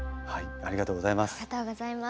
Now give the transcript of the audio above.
ありがとうございます。